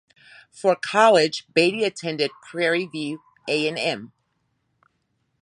For college, Beaty attended Prairie View A and M.